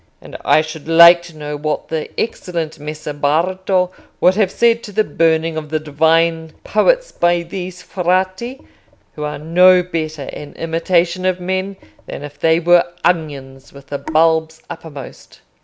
And I should like to know what the excellent Messer Bardo would have said to the burning of the divine poets by these Frati, who are no better an imitation of men than if they were onions with the bulbs uppermost.